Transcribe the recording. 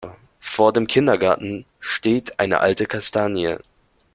Vor dem Kindergarten steht eine alte Kastanie.